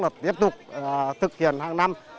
là tiếp tục thực hiện hàng năm